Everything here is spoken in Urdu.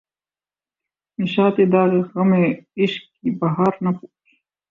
نشاطِ داغِ غمِ عشق کی بہار نہ پُوچھ